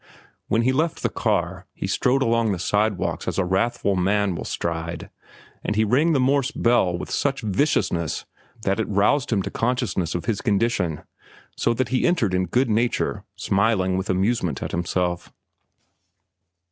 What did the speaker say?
When he left the car, he strode along the sidewalk as a wrathful man will stride, and he rang the Morse bell with such viciousness that it roused him to consciousness of his condition, so that he entered in good nature, smiling with amusement at himself.